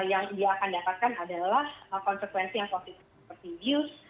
yang dia akan dapatkan adalah konsekuensi yang positif